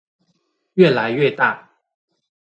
愈來愈大